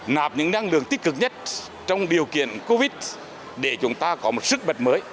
nạp những năng lượng tích cực nhất trong điều kiện covid để chúng ta có một sức mật mới